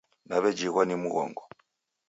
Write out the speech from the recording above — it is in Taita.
Nawejhighwa ni mghongo